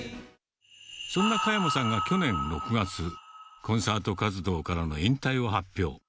そんな加山さんが去年６月、コンサート活動からの引退を発表。